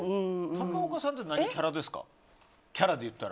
高岡さんって何キャラですか？